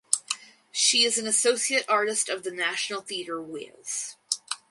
She is an associate artist of the National Theatre Wales.